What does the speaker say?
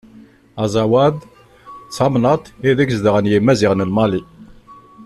Azawad, d tamennaṭ ideg zedɣen Yimaziɣen n Mali.